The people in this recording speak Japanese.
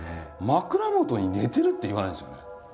「枕元に寝てる」って言わないんですよね。